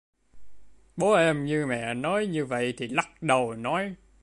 Bố em nghe mẹ nói như vậy thì lắc đầu nói